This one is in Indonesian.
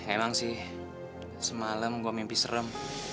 emang sih semalam gue mimpi serem